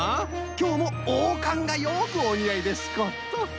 きょうもおうかんがよくおにあいですこと。